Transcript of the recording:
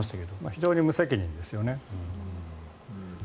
非常に無責任ですよね。